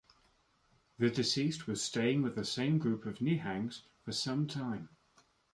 The deceased was staying with the same group of Nihangs for some time.